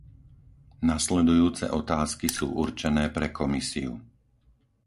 Nasledujúce otázky sú určené pre Komisiu.